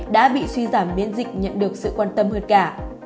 đã bị suy giảm biến dịch nhận được sự quan tâm hơn cả